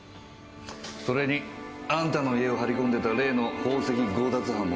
それにあんたの家を張り込んでた例の宝石強奪犯も逮捕されたよ。